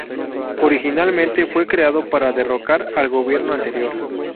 Originalmente fue creado para derrocar al gobierno anterior.